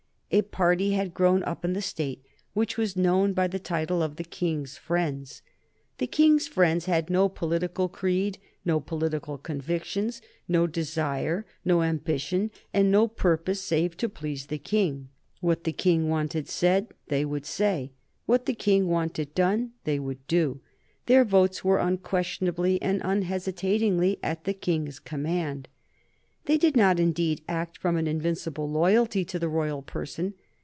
A party had grown up in the State which was known by the title of the King's friends. The King's friends had no political creed, no political convictions, no desire, no ambition, and no purpose save to please the King. What the King wanted said they would say; what the King wanted done they would do; their votes were unquestionably and unhesitatingly at the King's command. They did not, indeed, act from an invincible loyalty to the royal person.